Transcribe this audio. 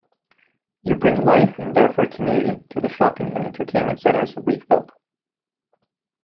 You bring life and therefore community to the shopping and entertainment centers we've built.